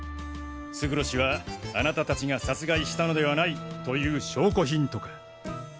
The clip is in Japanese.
勝呂氏はあなた達が殺害したのではないという証拠品とか？